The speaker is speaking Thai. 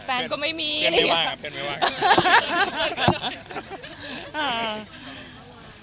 ใครเขาว่าทำงานเยอะเพื่อนก็น้อยแฟนก็ไม่มี